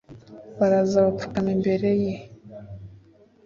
Baraza bapfukama imbere ye,